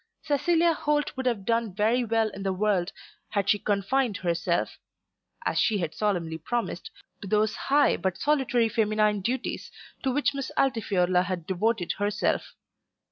Cecilia Holt would have done very well in the world had she confined herself, as she had solemnly promised, to those high but solitary feminine duties to which Miss Altifiorla had devoted herself.